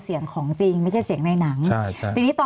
มีความรู้สึกว่ามีความรู้สึกว่า